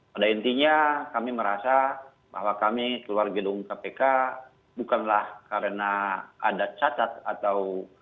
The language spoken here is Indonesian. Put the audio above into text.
pada intinya kami merasa bahwa kami keluar gedung kpk bukanlah karena ada catat atau